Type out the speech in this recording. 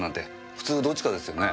普通どっちかですよね？